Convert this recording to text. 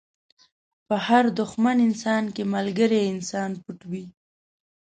په هر دښمن انسان کې ملګری انسان پټ وي.